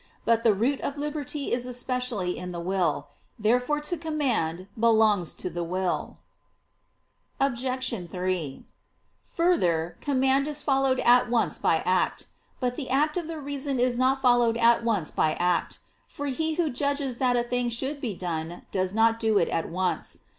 But the root of liberty is especially in the will. Therefore to command belongs to the will. Obj. 3: Further, command is followed at once by act. But the act of the reason is not followed at once by act: for he who judges that a thing should be done, does not do it at once.